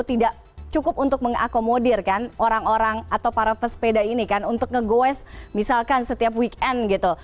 tidak cukup untuk mengakomodir kan orang orang atau para pesepeda ini kan untuk ngegoes misalkan setiap weekend gitu